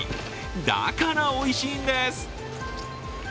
だからおいしいんです。